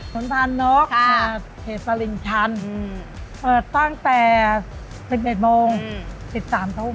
หลวงพาลนอกเทฟลินชันเปิดตั้งแต่๑๑โมง๑๓ทุ่ม